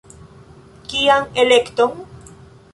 Kian elekton?